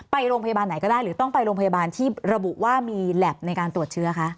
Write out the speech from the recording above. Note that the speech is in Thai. ไปโรงพยาบาลไหนก็ได้หรือต้องไปโรงพยาบาลที่ระบุว่ามีแล็บในการตรวจเชื้อคะ